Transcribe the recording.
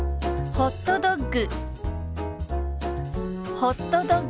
「ホットドッグ」。